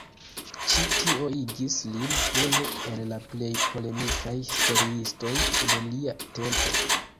Ĉi tio igis lin unu el la plej polemikaj historiistoj de lia tempo.